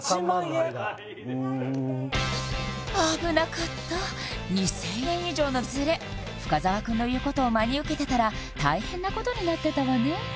危なかった２０００円以上のズレ深澤くんの言うことを真に受けてたら大変なことになってたわね